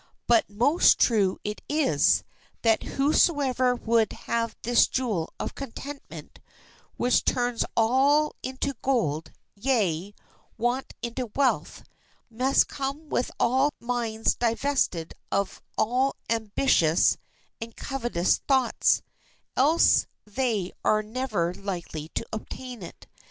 But most true it is, that whosoever would have this jewel of contentment (which turns all into gold; yea, want into wealth), must come with minds divested of all ambitious and covetous thoughts, else they are never likely to obtain it.